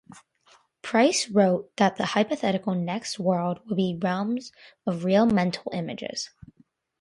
Price wrote that the hypothetical next world would be realms of real mental images.